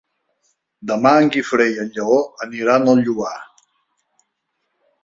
Demà en Guifré i en Lleó aniran al Lloar.